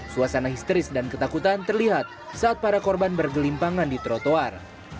suasana histeris dan ketakutan terlihat saat para korban bergelimpangan di trotoar